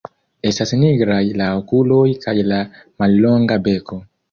Estas nigraj la okuloj kaj la mallonga beko.